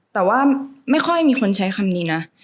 แต่ว่าไม่ค่อยมีคนใช้คำนี้นะ